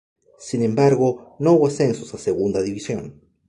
Sin embargo, no hubo ascensos a Segunda División.